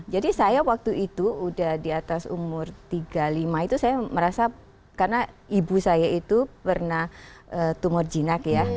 saya waktu itu udah di atas umur tiga puluh lima itu saya merasa karena ibu saya itu pernah tumor jinak ya